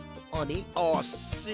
おっしい！